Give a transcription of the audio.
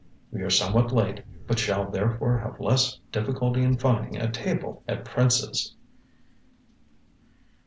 We are somewhat late, but shall therefore have less difficulty in finding a table at Prince's.